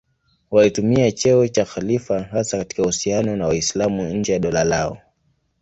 Walitumia cheo cha khalifa hasa katika uhusiano na Waislamu nje ya dola lao.